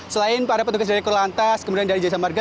selain para petugas dari korlantas kemudian dari jaya samarga